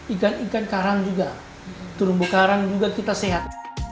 ikan ikan karang juga turun bukaran juga kita sehat